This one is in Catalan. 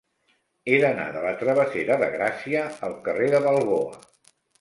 He d'anar de la travessera de Gràcia al carrer de Balboa.